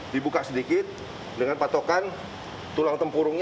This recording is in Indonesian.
dibuka sedikit dengan patokan tulang tempurungnya